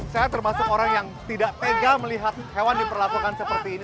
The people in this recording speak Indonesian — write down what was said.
saya termasuk orang yang tidak tega melihat hewan diperlakukan seperti ini